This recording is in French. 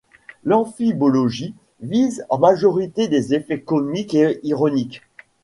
L'amphibologie vise en majorité des effets comiques et ironiques.